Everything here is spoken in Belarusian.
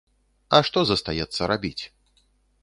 А што застаецца рабіць.